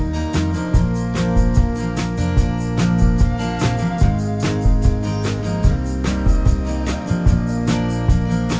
ถ้าต้องมาโดนโดนไปตอนไหนก็ได้ยังไง